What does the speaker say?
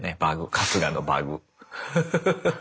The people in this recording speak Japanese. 春日のバグ。